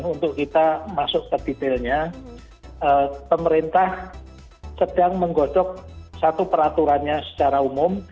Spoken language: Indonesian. untuk kita masuk ke detailnya pemerintah sedang menggodok satu peraturannya secara umum